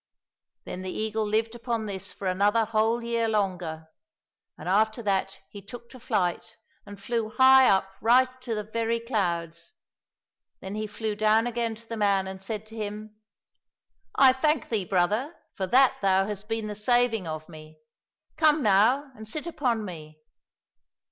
Then the eagle lived upon this for another whole year longer, and after that he took to flight, and flew high up right to the very clouds. Then he flew down again to the man and said to him, " I thank thee, brother, for that thou hast been the saving of me ! Come now and sit upon me